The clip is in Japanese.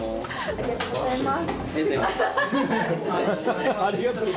ありがとうございます。